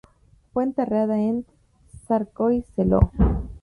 Fue enterrada en Tsárskoye Seló.